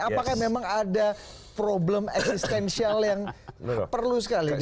apakah memang ada problem existential yang perlu sekali diadres